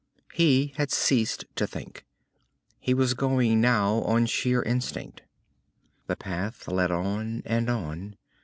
He had ceased to think. He was going now on sheer instinct. The pass led on and on.